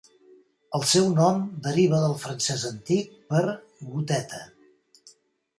El seu nom deriva del francès antic per "goteta".